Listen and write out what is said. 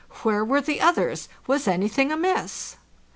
Where were the oth ers? Was anything amiss?